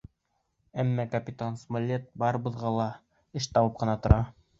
Әммә капитан Смолетт барыбыҙға ла эш табып ҡына тора.